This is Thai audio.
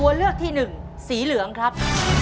ตัวเลือกที่หนึ่งสีเหลืองครับ